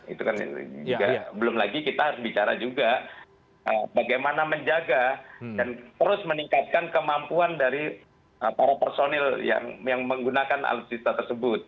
itu kan juga belum lagi kita harus bicara juga bagaimana menjaga dan terus meningkatkan kemampuan dari para personil yang menggunakan alutsista tersebut